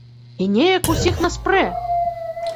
І неяк ўсіх нас прэ!